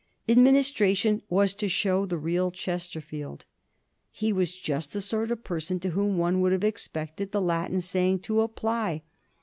Administration was to show the real Chesterfield. He was just the sort of per son to whom one would have expected the Latin saying to apply.